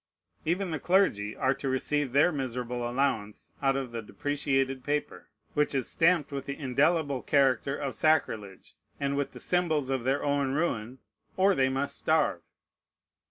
Even the clergy are to receive their miserable allowance out of the depreciated paper, which is stamped with the indelible character of sacrilege, and with the symbols of their own ruin, or they must starve.